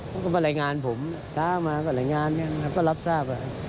เขาก็มารายงานผมเช้ามาก็รายงานก็รับทราบ